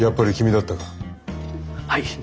はい。